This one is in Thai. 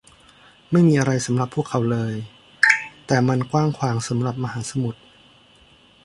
ไม่มีอะไรสำหรับพวกเราเลย แต่มันกว้างขวางสำหรับมหาสมุทร